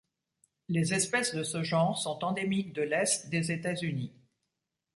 Les espèces de ce genre sont endémiques de l'est des États-Unis.